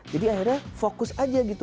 jadi akhirnya fokus aja gitu